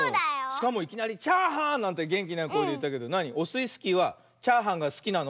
しかもいきなり「チャーハン！」なんてげんきなこえでいってたけどなにオスイスキーはチャーハンがすきなの？